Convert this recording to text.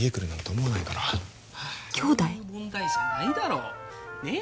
そういう問題じゃないだろねえ？